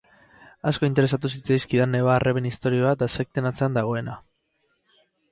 Asko interesatu zitzaizkidan neba-arreben istorioa eta sekten atzean dagoena.